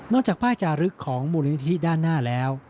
จากป้ายจารึกของมูลนิธิด้านหน้าแล้ว